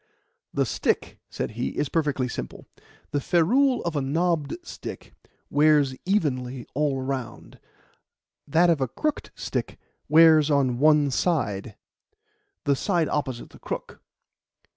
"The stick," said he, "is perfectly simple. The ferrule of a knobbed stick wears evenly all round; that of a crooked stick wears on one side the side opposite the crook.